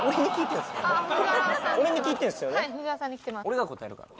俺が答えるから。